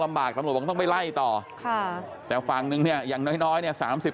ลำบากต้องไปไล่ต่อแต่ฝั่งนึงเนี่ยอย่างน้อยเนี่ยสามสิบ